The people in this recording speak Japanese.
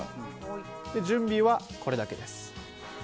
準備はこれだけです。